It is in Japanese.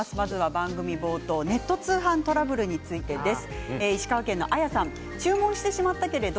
番組冒頭ネット通販トラブルについてです。